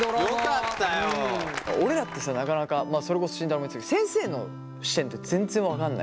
俺らってさなかなかそれこそ慎太郎も言ってたけど先生の視点っていうのは全然分かんない。